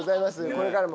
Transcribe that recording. これからも。